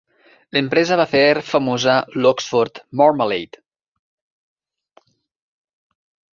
L'empresa va fer famosa l'"Oxford Marmalade".